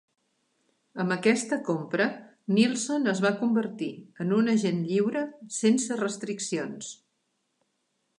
Amb aquesta compra, Nilsson es va convertir en un agent lliure sense restriccions.